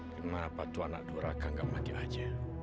gimana patuh anak duraka gak mati aja